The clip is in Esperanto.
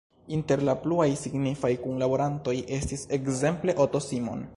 Inter la pluaj signifaj kunlaborantoj estis ekzemple Otto Simon.